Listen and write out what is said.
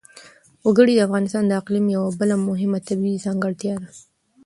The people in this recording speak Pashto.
وګړي د افغانستان د اقلیم یوه بله مهمه طبیعي ځانګړتیا ده.